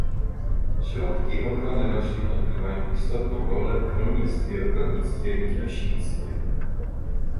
Środki ochrony roślin odgrywają istotną rolę w rolnictwie, ogrodnictwie i leśnictwie